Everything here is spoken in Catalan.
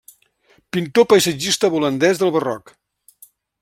Pintor paisatgista holandès del barroc.